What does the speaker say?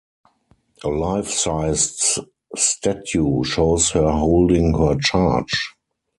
A life-sized statue shows her holding her charge.